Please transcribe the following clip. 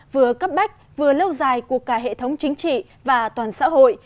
vừa cấp bách vừa lâu dài của cả hệ thống chính trị và toàn xã hội